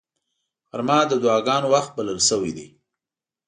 غرمه د دعاګانو وخت بلل شوی دی